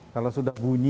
kalau sudah bunyi